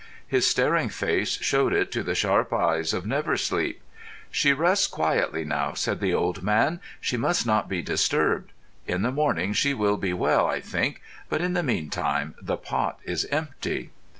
His staring face showed it to the sharp eyes of Never Sleep. "She rests quietly now," said the old man. "She must not be disturbed. In the morning she will be well, I think. But, in the meantime, the pot is empty."